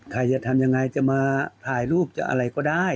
ใครจะทำยังไงจะมาถ่ายรูปจะอะไรก็ได้